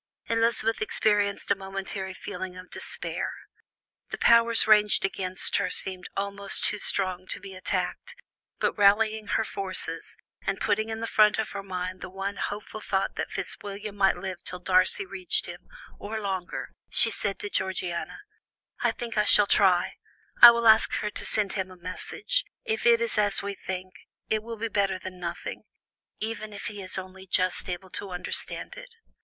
Elizabeth experienced a momentary feeling of despair; the powers ranged against her seemed almost too strong to be attacked; but rallying her forces, and putting in the front of her mind the one hopeful thought that Fitzwilliam might live till Darcy reached him, or longer, she said to Georgiana: "I think I shall try; I will ask her to send him a message, if it is as we think; it will be better than nothing, even if he is only just able to understand it."